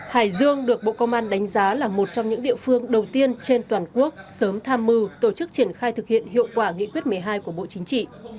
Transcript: hải dương được bộ công an đánh giá là một trong những địa phương đầu tiên trên toàn quốc sớm tham mưu tổ chức triển khai thực hiện hiệu quả nghị quyết một mươi hai của bộ chính trị